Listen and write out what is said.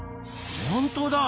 本当だ！